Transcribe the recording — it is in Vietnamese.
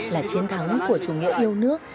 là chiến thắng của chủ nghĩa yêu nước